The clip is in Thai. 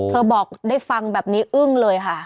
บอกได้ฟังแบบนี้อึ้งเลยค่ะ